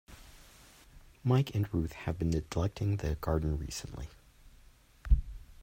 Mike and Ruth have been neglecting the garden recently.